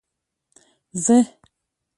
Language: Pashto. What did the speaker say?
زه.